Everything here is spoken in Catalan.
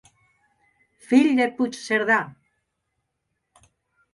Fill de Puigcerdà!